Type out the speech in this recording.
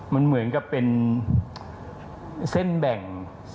มันเหมือนกับเป็นเส้นแบ่ง